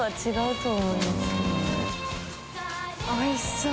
おいしそう。